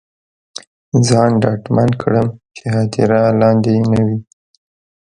ځان ډاډمن کړم چې هدیره لاندې نه وي.